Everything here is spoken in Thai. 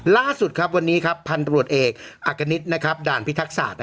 ล่าสุดครับวันนี้ครับพันธุ์ตำรวจเอกอักกณิตด่านพิทักษา